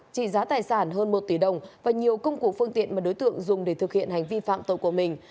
trị giá tài sản hơn một tỷ đồng và nhiều công cụ phương tiện mà đối tượng dùng để thực hiện hành vi phạm tội của mình